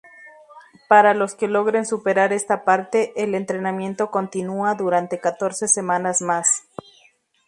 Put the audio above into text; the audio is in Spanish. Para los que logren superar esta parte, el entrenamiento continúa durante catorce semanas más.